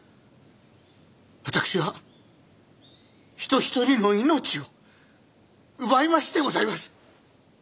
私は人一人の命を奪いましてございます。